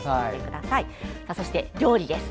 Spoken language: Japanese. そして料理です。